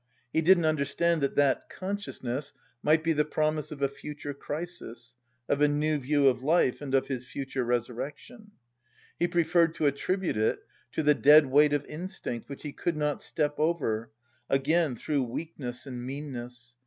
He didn't understand that that consciousness might be the promise of a future crisis, of a new view of life and of his future resurrection. He preferred to attribute it to the dead weight of instinct which he could not step over, again through weakness and meanness.